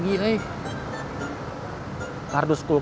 nggak ada yang buang kartus tv lagi